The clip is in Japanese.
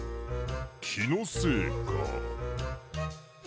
きのせいか。